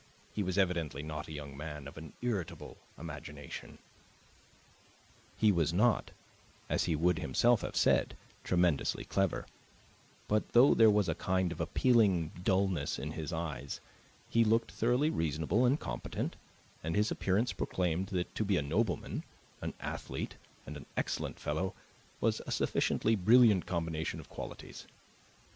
He was evidently not a young man of an irritable imagination; he was not, as he would himself have said, tremendously clever; but though there was a kind of appealing dullness in his eye, he looked thoroughly reasonable and competent, and his appearance proclaimed that to be a nobleman, an athlete, and an excellent fellow was a sufficiently brilliant combination of qualities.